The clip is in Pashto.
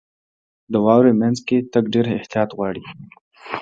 • د واورې مینځ کې تګ ډېر احتیاط غواړي.